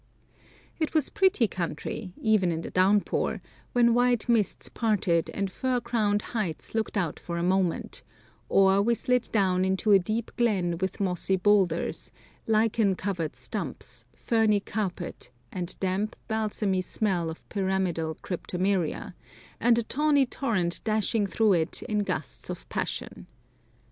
It was pretty country, even in the downpour, when white mists parted and fir crowned heights looked out for a moment, or we slid down into a deep glen with mossy boulders, lichen covered stumps, ferny carpet, and damp, balsamy smell of pyramidal cryptomeria, and a tawny torrent dashing through it in gusts of passion.